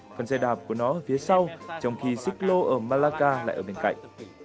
phần xe đạp của nó phía sau trong khi xích lô ở malacca lại ở bên cạnh